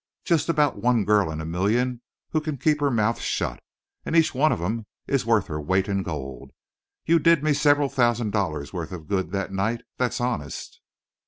Just about one girl in a million who can keep her mouth shut and each one of 'em is worth her weight in gold. You did me several thousand dollars' worth of good that night. That's honest!"